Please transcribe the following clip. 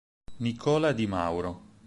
Nicola Di Mauro.